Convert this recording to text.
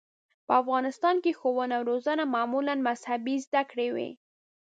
په افغانستان کې ښوونه او روزنه معمولاً مذهبي زده کړې وې.